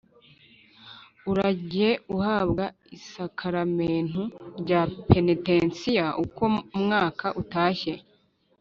Urajye uhabwa Isakaramentu rya Penetensiya uko umwaka utashye.